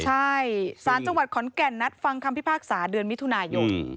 ใช่ศาลจังหวัดขอนแก่นนัดฟังคำพิพากษาเดือนมิถุนายน